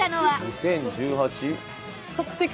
２０１８？